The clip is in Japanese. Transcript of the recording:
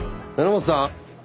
榎本さん！